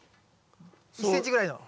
１ｃｍぐらいの。